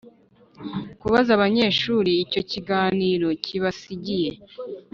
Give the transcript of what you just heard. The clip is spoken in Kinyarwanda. Kubaza abanyeshuri icyo ikiganiro kibasigiye